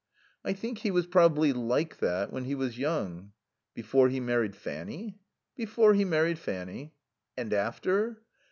"I think he was probably 'like that' when he was young." "Before he married Fanny?" "Before he married Fanny." "And after?"